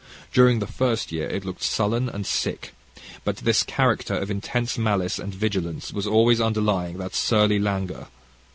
During the first year it looked sullen and sick. But this character of intense malice and vigilance was always underlying that surly languor.